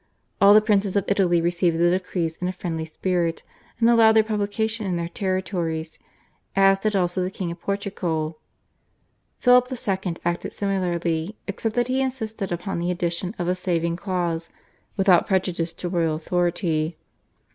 All the princes of Italy received the decrees in a friendly spirit and allowed their publication in their territories, as did also the King of Portugal. Philip II. acted similarly except that he insisted upon the addition of a saving clause "without prejudice to royal authority."